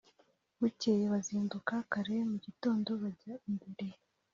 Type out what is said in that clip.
Bukeye bazinduka kare mu gitondo bajya imbere